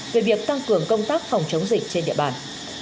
về việc tăng cường công tác phòng chống dịch trên địa bàn